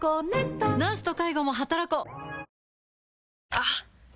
あっ！